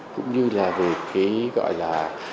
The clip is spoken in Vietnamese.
cũng như là về cái gọi là